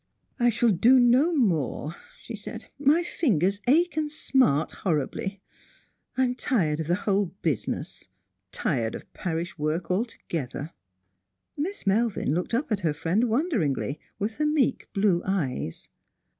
" I shall do no more," she said; "my fingers ache and smart horribly. I am tired of the whole business ; tired of parish work altogether." Miss Melvin looked up at her friend wonderingly, with her meek blue eN'es.